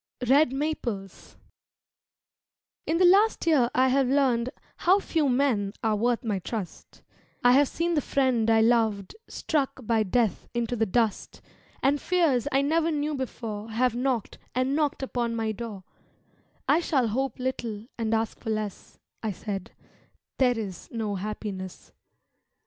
Red Maples In the last year I have learned How few men are worth my trust; I have seen the friend I loved Struck by death into the dust, And fears I never knew before Have knocked and knocked upon my door "I shall hope little and ask for less," I said, "There is no happiness."